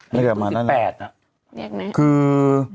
น่าจะมานั่นแหละคือ